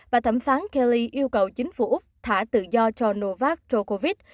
và thẩm phán kelly yêu cầu chính phủ úc thả tự do cho novak djokovic